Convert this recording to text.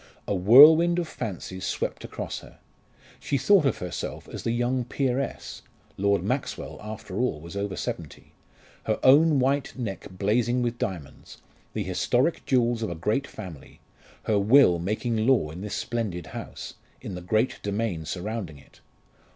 A whirlwind of fancies swept across her. She thought of herself as the young peeress Lord Maxwell after all was over seventy her own white neck blazing with diamonds, the historic jewels of a great family her will making law in this splendid house in the great domain surrounding it.